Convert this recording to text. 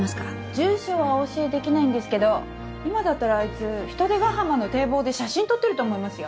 住所はお教えできないんですけど今だったらあいつ海星ヶ浜の堤防で写真撮ってると思いますよ。